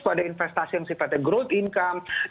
pada investasi yang sifatnya growth income